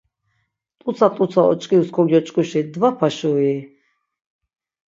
T̆utsa t̆utsa oç̆k̆irus kogyoç̆k̆uşi dvapaşui?